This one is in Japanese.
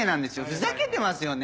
ふざけてますよね。